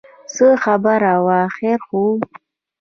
څه خبره وه خیر خو و.